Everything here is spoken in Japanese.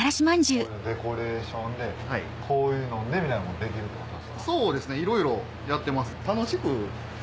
デコレーションでこういうのねみたいなことできるってこと？